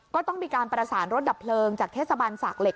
ก็ต้องมีการประสานรถดับเพลิงจากเทศบาลสากเหล็